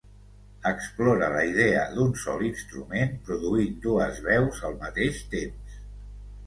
Explora la idea d'un sol instrument produint dues veus al mateix temps.